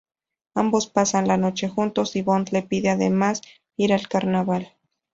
Ambos pasan la noche juntos y Bond le pide además ir al Carnaval.